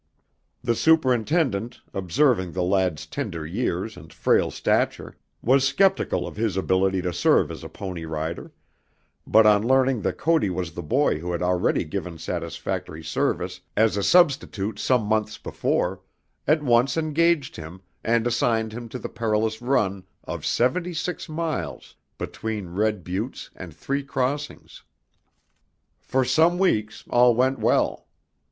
The superintendent, observing the lad's tender years and frail stature, was skeptical of his ability to serve as a pony rider; but on learning that Cody was the boy who had already given satisfactory service as a substitute some months before, at once engaged him and assigned him to the perilous run of seventy six miles between Red Buttes and Three Crossings. For some weeks all went well.